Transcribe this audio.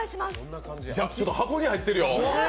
箱に入ってるよ！